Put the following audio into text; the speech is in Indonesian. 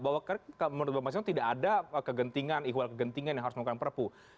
bahwa menurut bang mas hinton tidak ada kegentingan ihwal kegentingan yang harus melakukan perpu